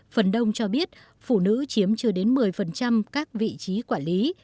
phần đông cho biết phụ nữ chiếm chưa đến một mươi các vị trí quản lý